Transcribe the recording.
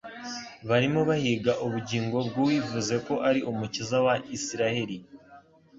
barimo bahiga ubugingo bw’uwivuze ko ari Umukiza wa Isiraheli.